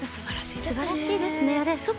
すばらしいですね。